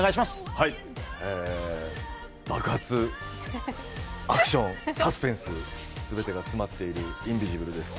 爆発、アクション、サスペンス、すべてが詰まっている「インビジブル」です。